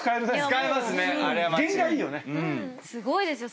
すごいですよ。